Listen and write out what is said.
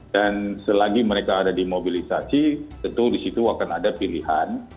dan selagi mereka ada di mobilisasi tentu di situ akan ada pilihan